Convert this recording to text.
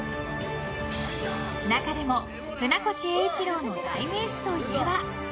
中でも船越英一郎の代名詞といえば。